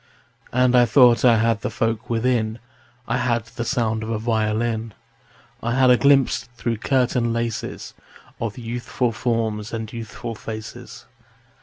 And I thought I had the folk within: I had the sound of a violin; I had a glimpse through curtain laces Of youthful forms and youthful faces.